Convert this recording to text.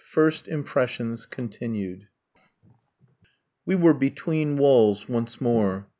FIRST IMPRESSIONS (continued) We were between walls once more.